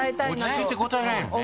落ち着いて答えられるね。